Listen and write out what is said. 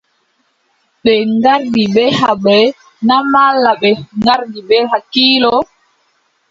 Ɓe ngardi bee haɓre na malla ɓe ngardi bee hakkiilo ?